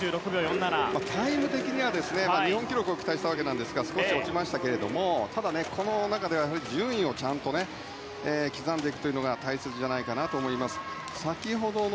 タイム的には日本記録を期待したんですが少し落ちましたがこの中では順位を刻んでいくというのが大切じゃないかなと思います。